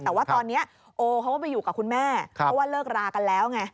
แต่ว่าตอนนี้โอเขาก็ไปอยู่กับคุณแม่เพราะว่าเลิกรากันแล้วไง